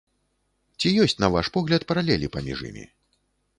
Ці ёсць, на ваш погляд, паралелі паміж імі?